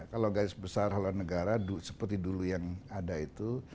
kalau garis besar haluan negara seperti dulu yang ada itu